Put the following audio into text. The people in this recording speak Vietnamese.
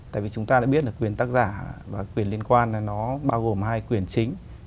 tại vì chúng ta đã biết là quyền tác giả và quyền liên quan là nó bao gồm hai quyền chính